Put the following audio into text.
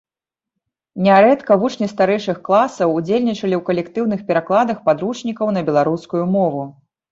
Нярэдка вучні старэйшых класаў удзельнічалі ў калектыўных перакладах падручнікаў на беларускую мову.